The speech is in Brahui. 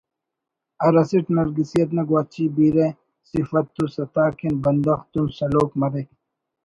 ہر اسٹ نرگسیت نا گواچی بیرہ سفت و ستا کن بندغ تون سلوک مریک